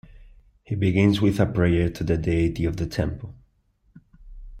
He begins with a prayer to the deity of the temple.